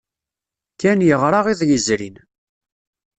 Ken yeɣra iḍ yezrin.